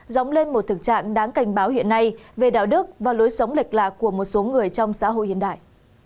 dóng lên một thực trạng đáng cảnh báo hiện nay về đạo đức và lối sống lệch lạc của một số người trong xã hội hiện đại